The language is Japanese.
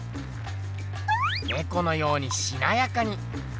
ねこのようにしなやかに。